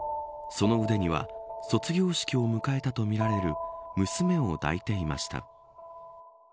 その腕には卒業式を迎えたとみられる娘を抱いていました。